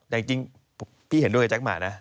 แต่จริงพี่เห็นด้วยกับแก๊กหมานะ